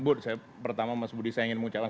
bu saya pertama mas budi saya ingin mengucapkan